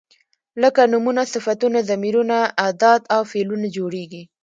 لکه نومونه، صفتونه، ضمیرونه، ادات او فعلونه جوړیږي.